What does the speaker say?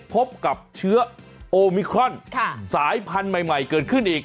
พบกับเชื้อโอมิครอนสายพันธุ์ใหม่เกิดขึ้นอีก